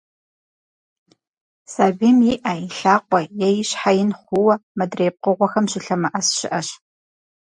Сабийм и Ӏэ, и лъакъуэ е и щхьэ ин хъууэ, мыдрей пкъыгъуэхэм щылъэмыӀэс щыӀэщ.